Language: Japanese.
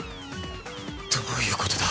どういうことだ？